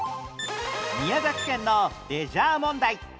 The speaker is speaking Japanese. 宮崎県のレジャー問題